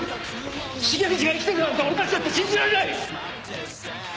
重藤が生きてるなんて俺たちだって信じられない！